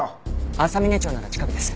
浅峰町なら近くです。